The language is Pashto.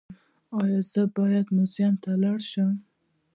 ایا زه باید موزیم ته لاړ شم؟